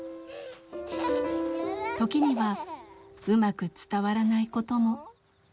時にはうまく伝わらないことも。